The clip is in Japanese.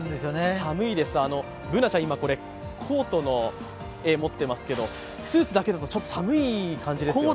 寒いです、Ｂｏｏｎａちゃん、今、コートを持ってますけどスーツだけだとちょっと寒い感じですよね。